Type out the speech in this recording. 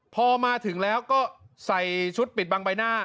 พอมาถึงแล้วก็ใส่ชุดปิดบังใบหน้า